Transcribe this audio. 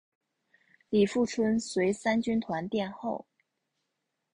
李富春随三军团殿后。